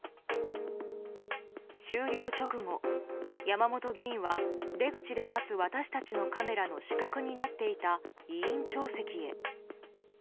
終了直後、山本議員は出口で待つ私たちのカメラの死角になっていた委員長席へ。